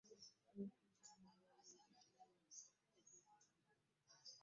Okusomesa abantu singa wabaawo enkungaana z’okusomesa abantu ensonga ezikwata ku mateeka.